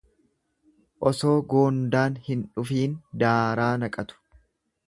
Osoo goondaan hin dhufiin daaraa naqatu.